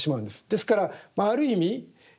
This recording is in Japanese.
ですからある意味